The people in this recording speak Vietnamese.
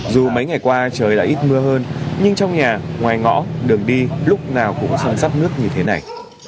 dù mấy ngày qua trời đã ít mưa hơn nhưng trong nhà ngoài ngõ đường đi lúc nào cũng sẽ dắt nước như thế này